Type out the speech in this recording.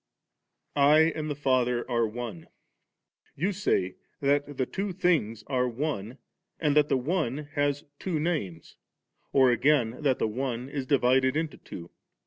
I and the Father are One V You say that theitwo thin^ are one, or that the one has two names, or again that the one is divided into two.